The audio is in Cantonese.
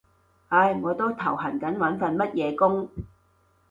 唉，我都頭痕緊揾份乜嘢工